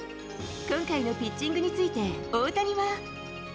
今回のピッチングについて、大谷は。